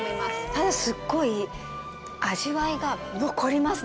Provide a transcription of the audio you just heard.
ただすごい味わいが残りますね